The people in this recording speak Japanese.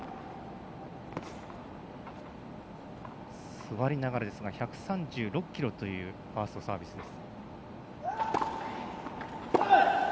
座りながらですが１３６キロというファーストサービスです。